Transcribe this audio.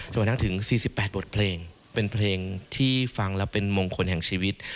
กระทั่งถึง๔๘บทเพลงเป็นเพลงที่ฟังแล้วเป็นมงคลแห่งชีวิต